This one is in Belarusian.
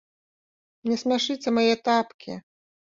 Не смяшыце мае тапкі!